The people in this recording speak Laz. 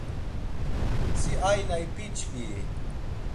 Si aina ipiçvii?